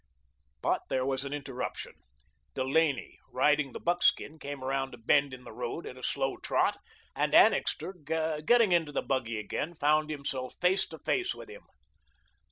But there was an interruption. Delaney, riding the buckskin, came around a bend in the road at a slow trot and Annixter, getting into the buggy again, found himself face to face with him.